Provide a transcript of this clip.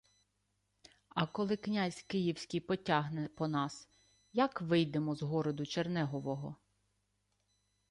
— А коли князь київський потягне по нас, як вийдемо з городу Чернегового?